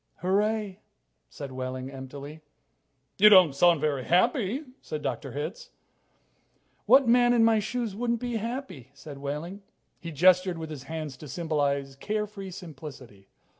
"Hooray," said Wehling emptily. "You don't sound very happy," said Dr. Hitz. "What man in my shoes wouldn't be happy?" said Wehling. He gestured with his hands to symbolize care free simplicity.